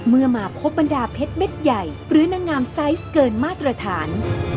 มาพบบรรดาเพชรเม็ดใหญ่หรือนางงามไซส์เกินมาตรฐาน